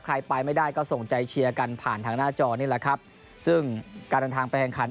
ใครไปไม่ได้ก็ส่งใจเชียร์กันผ่านทางหน้าจอนี่แหละครับซึ่งการเดินทางไปแข่งขัน